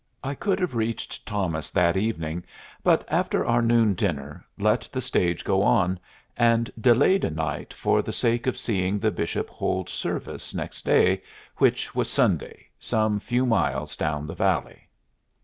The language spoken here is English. I could have reached Thomas that evening, but after our noon dinner let the stage go on, and delayed a night for the sake of seeing the Bishop hold service next day, which was Sunday, some few miles down the valley.